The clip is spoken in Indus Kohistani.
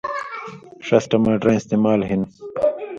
ݜس ٹماٹراں استعمال ہِن